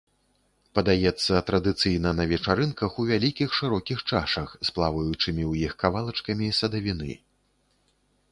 Падаецца традыцыйна на вечарынках у вялікіх шырокіх чашах, з плаваючымі ў іх кавалачкамі садавіны.